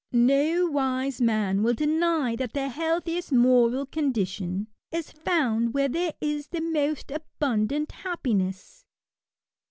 No wise man will deny that the healthiest moral condition is found where there is the most abundant happiness.